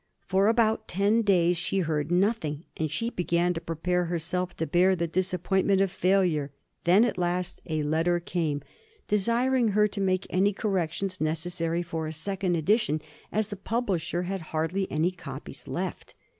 For about ten days she heard nothing, and she began to prepare herself to bear the disappointment of failure. Then at last a letter came, desiring her to make any corrections necessary for a second edition, as the publisher had hardly any copies left.